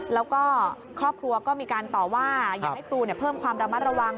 แล้วก็ครอบครัวก็มีการต่อว่าอยากให้ครูเพิ่มความระมัดระวัง